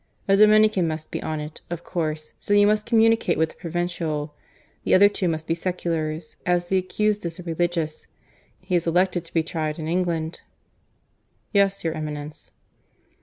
A Dominican must be on it, of course; so you must communicate with the Provincial. The other two must be seculars, as the accused is a Religious. He has elected to be tried in England." "Yes, your Eminence."